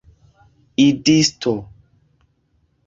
idisto